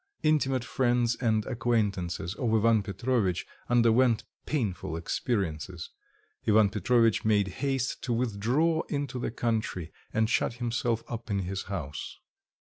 Intimate friends and acquaintances of Ivan Petrovitch underwent painful experiences. Ivan Petrovitch made haste to withdraw into the country and shut himself up in his house.